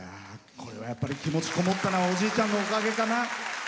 これはやっぱり気持ちこもったのはおじいちゃんのおかげかな？